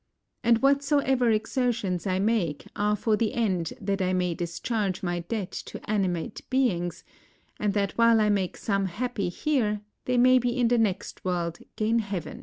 And whatsoever exertions I make are for the end that I may discharge my debt to animate beings, and that while I make some happy here, they may in the next world gain heaven.